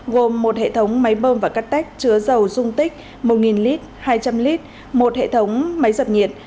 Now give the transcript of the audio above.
gồm một hệ thống máy bơm và cắt tách chứa dầu dung tích một lit hai trăm linh lit một hệ thống máy dập nhiệt